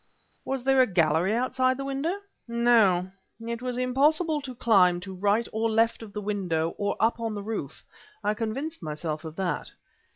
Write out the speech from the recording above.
"Was there a gallery outside the window?" "No; it was impossible to climb to right or left of the window or up on to the roof. I convinced myself of that."